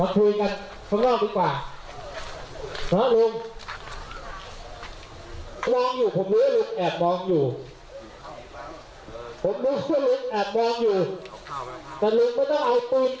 ปัญหามันเกิดแล้วเราก็ต้องแก้นะครับ